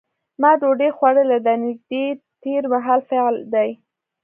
ما ډوډۍ خوړلې ده نږدې تېر مهال فعل دی.